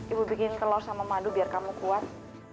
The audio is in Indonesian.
ibu bikin telur sama madu biar kamu kuat